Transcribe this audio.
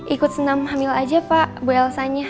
ikut senam hamil aja pak bu elsanya